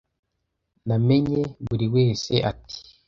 Namenye buri wese ati